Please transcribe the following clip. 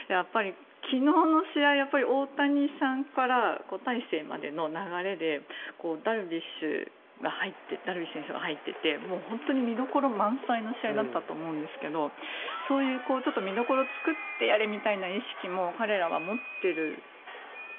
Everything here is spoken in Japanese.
昨日の試合は大谷さんから大勢までの流れでダルビッシュ選手が入っていて本当に見どころ満載の試合だったと思うんですけどそういう見どころを作ってやるみたいな意識も彼らは持ってるんですか？